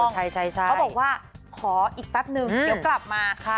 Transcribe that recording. เขาบอกว่าขออีกแป๊บนึงเดี๋ยวกลับมา